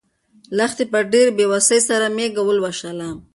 لښتې په ډېرې بې وسۍ سره مېږه ولوشله.